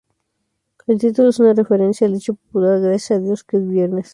El título es una referencia al dicho popular, "Gracias a Dios que es viernes".